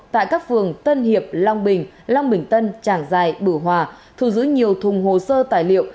tại các phường tân hiệp long bình long bình tân trảng giài bửu hòa thu giữ nhiều thùng hồ sơ tài liệu